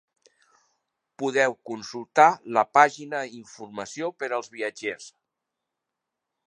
Podeu consultar la pàgina Informació per als viatgers.